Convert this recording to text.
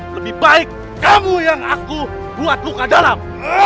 lebih baik kamu yang aku buat luka dalam